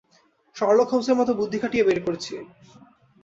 Sherlock হোমসের মতো বুদ্ধি খাটিয়ে বের করেছি।